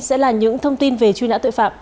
sẽ là những thông tin về truy nã tội phạm